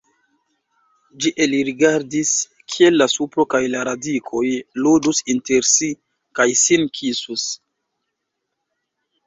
Ĝi elrigardis, kiel la supro kaj la radikoj ludus inter si kaj sin kisus.